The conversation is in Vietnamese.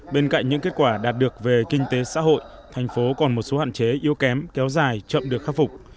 bên cạnh những kết quả đạt được về kinh tế xã hội thành phố còn một số hạn chế yếu kém kéo dài chậm được khắc phục